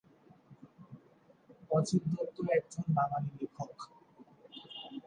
অজিত দত্ত একজন বাঙালি লেখক।